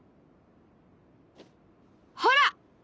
ほら！